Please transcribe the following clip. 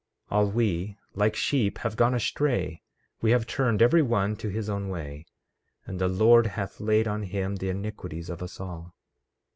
14:6 All we, like sheep, have gone astray; we have turned every one to his own way; and the Lord hath laid on him the iniquities of us all.